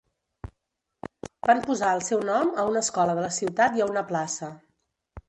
Van posar el seu nom a una escola de la ciutat i a una plaça.